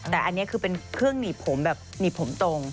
แต่อันนี้คือเป็นเครื่องหนีบผมแบบหนีบผมตรง